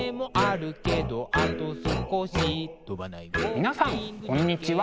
皆さんこんにちは。